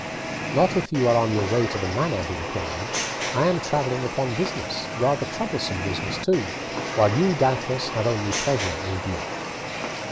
"Not if you are on your way to the manor," he replied. "I am travelling upon business, rather troublesome business too, while you, doubtless, have only pleasure in view."